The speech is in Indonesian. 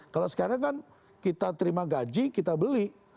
kalau sekarang kan kita terima gaji kita beli